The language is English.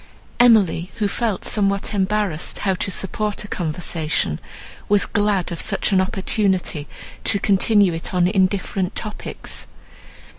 Emily, who felt somewhat embarrassed how to support a conversation, was glad of such an opportunity to continue it on indifferent topics.